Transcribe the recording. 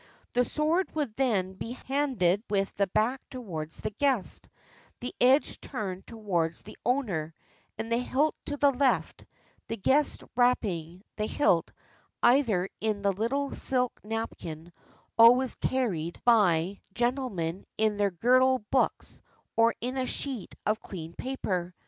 The sword would then be handed with the back towards the guest, the edge turned towards the owner, and the hilt to the left, the guest wrapping the hilt either in the little silk napkin always carried by 38s JAPAN gentlemen in their girdle books, or in a sheet of clean paper.